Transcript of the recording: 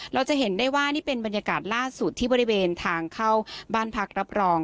เราจะเห็นได้ว่านี่เป็นบรรยากาศล่าสุดที่บริเวณทางเข้าบ้านพักรับรอง